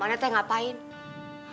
makna teh ngapain